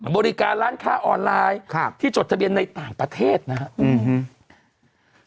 บริการร้านค้าออนไลน์ที่จดทะเบียนในต่างประเทศนะครับ